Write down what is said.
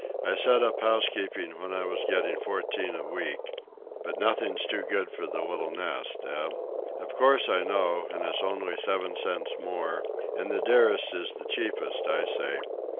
I set up housekeeping when I was getting fourteen a week. But nothing's too good for the little nest, eh? Of course I know, and it's only seven cents more, and the dearest is the cheapest, I say.